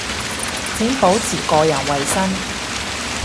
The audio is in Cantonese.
請保持個人衛生